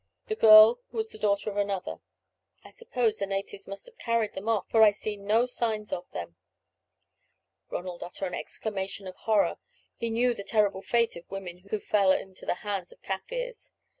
The girl was the daughter of another. I suppose the natives must have carried them off, for I see no signs of them." Ronald uttered an exclamation of horror; he knew the terrible fate of women who fell into the hands of the Kaffirs.